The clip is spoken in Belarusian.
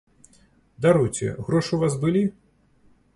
Даруйце, грошы ў вас былі?